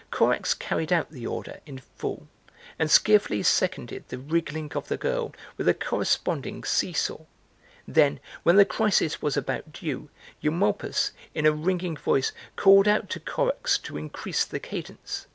Corax carried out the order in full and skillfully seconded the wriggling of the girl with a corresponding seesaw. Then, when the crisis was about due, Eumolpus, in a ringing voice, called out to Corax to increase the cadence.